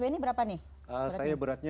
yang kecil yang kecil gitu kan ya